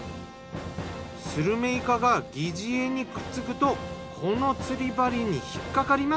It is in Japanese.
スルメイカが疑似餌にくっつくとこの釣り針に引っ掛かります。